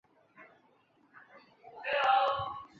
霍姆伍德镇区为位在美国堪萨斯州富兰克林县的镇区。